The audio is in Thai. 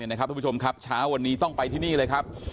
ทุกผู้ชมครับเช้าวันนี้ต้องไปที่นี่เลยครับ